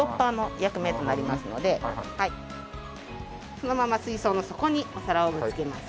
そのまま水槽の底にお皿をぶつけます。